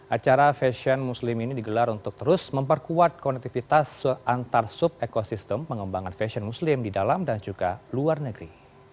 acara fashion muslim ini digelar untuk terus memperkuat konektivitas antar sub ekosistem pengembangan fashion muslim di dalam dan juga luar negeri